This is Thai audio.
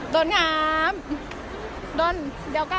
โดนครับโดนเดียวกัน